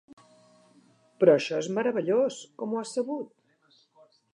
Però això és meravellós! Com ho has sabut?